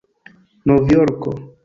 novjorko